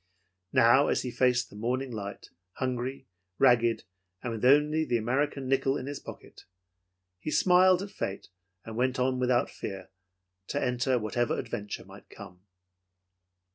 Now, as he faced the morning light, hungry, ragged, and with only the American nickel in his pocket, he smiled at fate and went on without fear to enter whatever adventure might come.